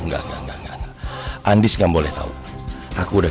enggak enggak enggak andis nggak boleh tahu aku udah